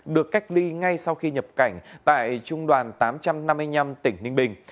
được cách ly ngay sau khi nhập cảnh tại trung đoàn tám trăm năm mươi năm tỉnh ninh bình